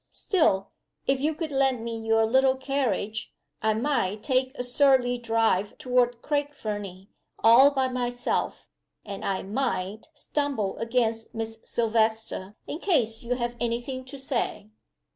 Still (if you could lend me your little carriage), I might take a surly drive toward Craig Fernie, all by myself, and I might stumble against Miss Silvester in case you have any thing to say."